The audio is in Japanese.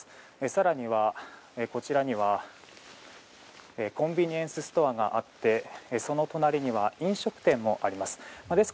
更には、こちらにはコンビニエンスストアがあってその隣には飲食店もあります。